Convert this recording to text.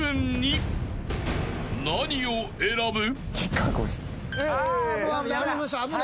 ［何を選ぶ？］